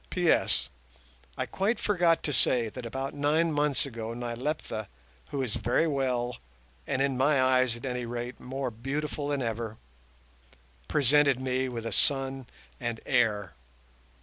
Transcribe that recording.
PS—I quite forgot to say that about nine months ago Nyleptha (who is very well and, in my eyes at any rate, more beautiful than ever) presented me with a son and heir.